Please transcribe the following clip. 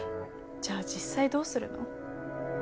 じゃあ実際どうするの？